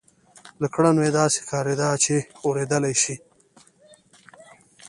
له کړنو یې داسې ښکارېده چې اورېدلای شي